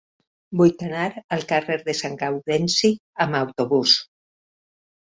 Vull anar al carrer de Sant Gaudenci amb autobús.